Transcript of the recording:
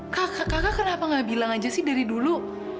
kakak kenapa nggak bilang aja sih dari dulu